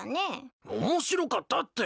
面白かったって。